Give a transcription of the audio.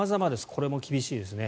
これも厳しいですね。